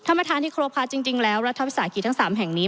ถ้าประธานที่ครบค่ะจริงแล้วรัฐภาษาอักษรีทั้ง๓แห่งนี้